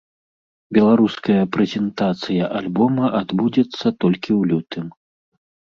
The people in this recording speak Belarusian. Беларуская прэзентацыя альбома адбудзецца толькі ў лютым.